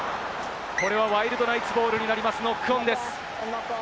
ワイルドナイツボールになります、ノックオンです。